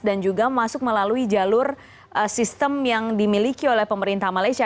dan juga masuk melalui jalur sistem yang dimiliki oleh pemerintah malaysia